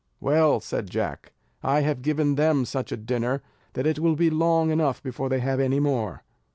"Well," said Jack, "I have given them such a dinner that it will be long enough before they have any more."